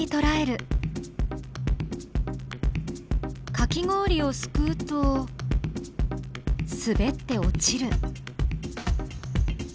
かき氷をすくうとすべって落ちる。